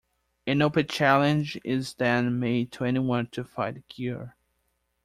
An open challenge is then made to anyone to fight Gyor.